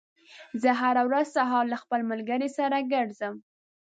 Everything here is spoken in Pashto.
زه هره ورځ سهار له خپل ملګري سره ګرځم.